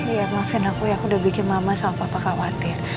ya makin aku ya udah bikin mama sama papa khawatir